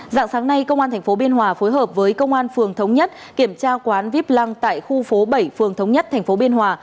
dạng sáng nay công an tp biên hòa phối hợp với công an phường thống nhất kiểm tra quán vip lăng tại khu phố bảy phường thống nhất tp biên hòa